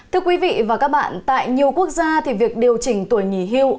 thưa quý vị và các bạn tại nhiều quốc gia thì việc điều chỉnh tuổi nghỉ hưu